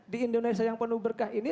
di indonesia yang penuh berkah ini